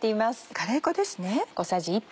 カレー粉ですね。